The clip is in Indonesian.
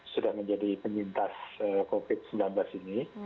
sudah menjadi penyintas covid sembilan belas ini